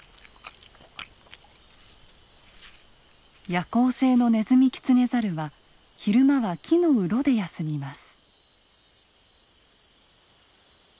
夜行性のネズミキツネザルは昼間は木のうろで休みます。